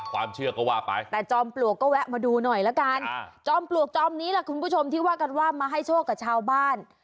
ความเชื่อก็ว่าไปแต่จอมปลวกก็แวะมาดูหน่อยละกันจอมปลวกจอมนี้ล่ะคุณผู้ชมที่ว่ากันว่ามาให้โชคกับชาวบ้าน